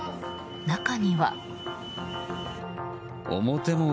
中には。